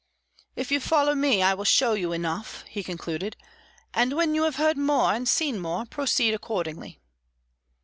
"If you will follow me I will show you enough," he concluded, "and when you have heard more and seen more, proceed accordingly."